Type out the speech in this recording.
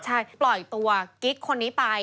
ใช่ปล่อยตัวกิ๊กคนนี้ไป